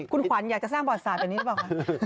คุณขวัญอยากจะสร้างประวัติศาสตร์แบบนี้หรือเปล่าคะ